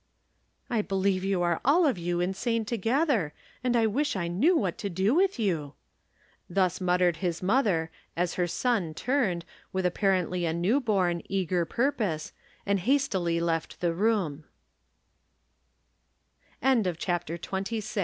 " I believe you are all of you insane together, and I wish I knew what to do with you." Tlius muttered his mother as her son turned, with apparently a new born, eager purpose, and hastily